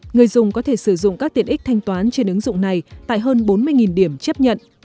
người dùng có thể sử dụng các tiện ích thanh toán trên ứng dụng này tại hơn bốn mươi điểm chấp nhận